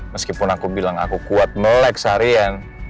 meskipun aku bilang aku kuat melek seharian